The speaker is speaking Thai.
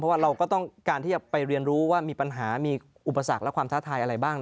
ว่าเราก็ต้องการที่จะไปเรียนรู้ว่ามีปัญหามีอุปสรรคและความท้าทายอะไรบ้าง